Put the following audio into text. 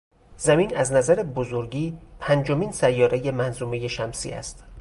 زمین از نظر بزرگی پنجمین سیارهی منظومهی شمسی است.